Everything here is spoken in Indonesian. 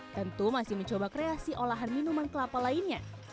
tentu masih mencoba kreasi olahan minuman kelapa lainnya